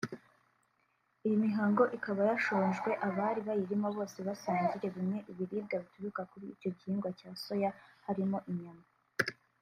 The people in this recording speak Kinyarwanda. Iyi mihango ikaba yashojwe abari bayirimo bose basangire bimwe ibiribwa bituruka kuri icyo gihingwa cya Soya harimo inyama